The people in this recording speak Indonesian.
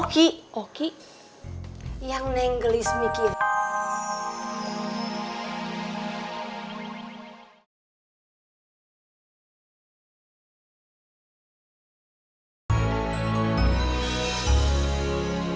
jadi yang nenggelis mikir